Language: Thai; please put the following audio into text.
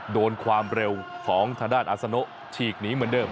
ความเร็วของทางด้านอาซาโนฉีกหนีเหมือนเดิม